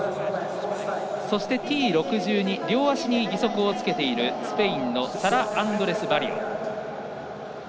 そしてＴ６２両足に義足をつけているスペインのサラ・アンドレスバリオ。